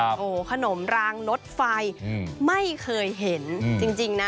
ใช่โอ้ขนมรางนดไฟไม่เคยเห็นจริงนะ